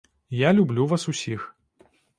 Я люблю вас усіх.